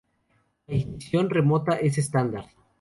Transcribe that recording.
La ignición remota es estándar.